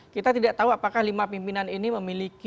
kita tidak tahu apakah lima pimpinan ini memiliki